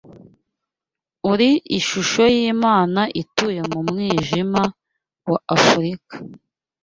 uri ishusho y'Imana ituye mu mwijima wa Afurika